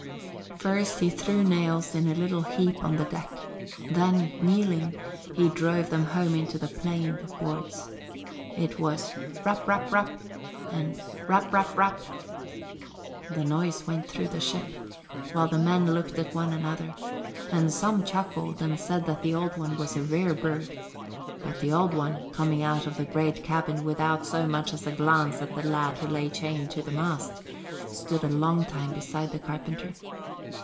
First he threw nails in a little heap on the deck, then, kneeling, he drove them home into the planed boards. It was rap rap rap, and rap rap rap. The noise went through the ship, while the men looked at one another; and some chuckled and said that the Old One was a rare bird; but the Old One, coming out of the great cabin without so much as a glance at the lad who lay chained to the mast, stood a long time beside the carpenter.